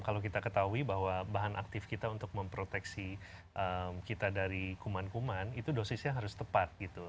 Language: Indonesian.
kalau kita ketahui bahwa bahan aktif kita untuk memproteksi kita dari kuman kuman itu dosisnya harus tepat gitu